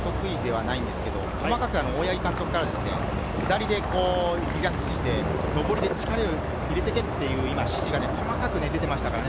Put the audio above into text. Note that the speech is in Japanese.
彼は下り基調が得意で上りがあまり得意ではないんですけど、細かく大八木監督から下りでリラックスして、上りで力を入れていけと指示が細かく出ていましたからね。